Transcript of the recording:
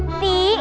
ini bunganya layu